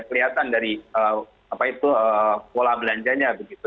kelihatan dari apa itu pola belanjanya begitu